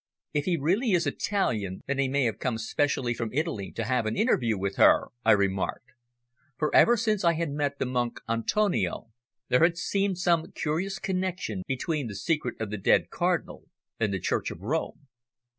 "If he really is Italian then he may have come specially from Italy to have an interview with her," I remarked. For ever since I had met the monk, Antonio, there had seemed some curious connexion between the secret of the dead cardinal and the Church of Rome.